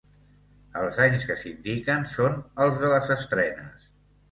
Els anys que s'indiquen són els de les estrenes.